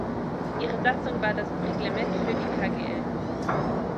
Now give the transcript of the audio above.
Ihre Satzung war das "Reglement für die Kgl.